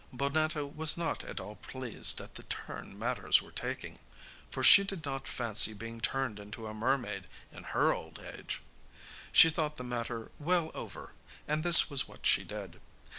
Bonnetta was not at all pleased at the turn matters were taking, for she did not fancy being turned into a mermaid in her old age. She thought the matter well over, and this was what she did.